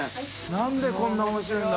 なんでこんな面白いんだ？